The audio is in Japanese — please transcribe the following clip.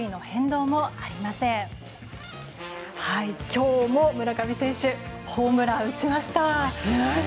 今日も村上選手ホームラン打ちました。